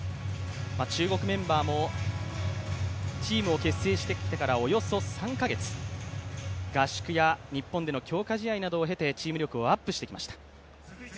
中国メンバーもチームを結成してきてからおよそ３か月、合宿や日本での強化試合などを経てチーム力をアップしてきました。